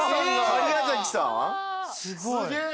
すげえ。